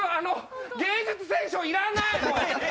芸術選奨要らない、もう。